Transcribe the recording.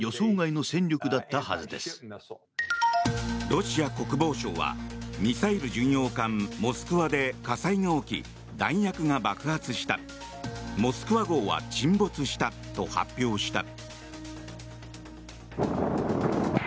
ロシア国防省はミサイル巡洋艦「モスクワ」で火災が起き、弾薬が爆発した「モスクワ号」は沈没したと発表した。